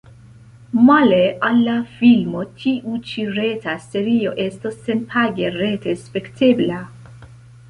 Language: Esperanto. Male al la filmo tiu ĉi reta serio estos senpage rete spektebla.